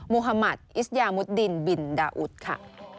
มุธมัติอิสยามุดดินบินดาอุดค่ะ